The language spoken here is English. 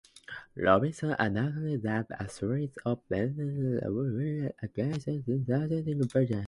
Robinson announced that a series of measures would be undertaken against Scientology in Britain.